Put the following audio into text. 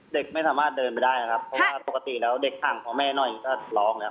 เด็กไม่สามารถเดินไปได้นะครับเพราะว่าปกติแล้วเด็กห่างของแม่หน่อยก็ร้องแล้ว